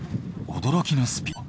驚きのスピード。